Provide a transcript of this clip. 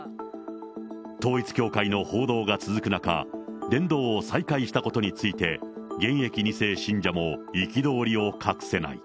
統一教会の報道が続く中、伝道を再開したことについて、現役２世信者も憤りを隠せない。